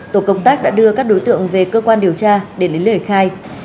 tổ công tác đã đưa các đối tượng về cơ quan điều tra để lấy lời khai